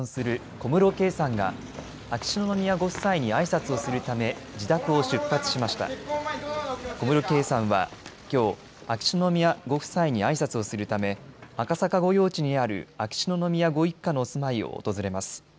小室圭さんはきょう、秋篠宮ご夫妻にあいさつをするため、赤坂御用地にある秋篠宮ご一家のお住まいを訪れます。